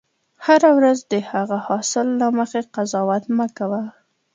هره ورځ د هغه حاصل له مخې قضاوت مه کوه.